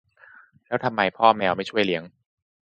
แล้วทำไมพ่อแมวไม่ช่วยเลี้ยง